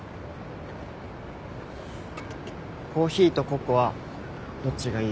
コーヒーとココアどっちがいい？